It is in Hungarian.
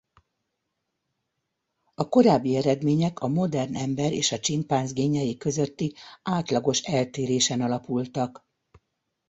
A korábbi eredmények a modern ember és a csimpánz génjei közötti átlagos eltérésen alapultak.